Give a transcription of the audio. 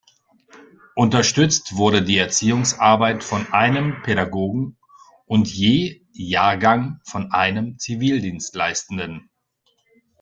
Unterstützt wurde die Erziehungsarbeit von einem Pädagogen und je Jahrgang von einem Zivildienstleistenden.